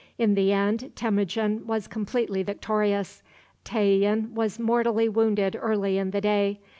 In the end, Temujin was completely victorious. Tayian was mortally wounded early in the day.